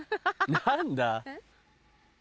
何だ？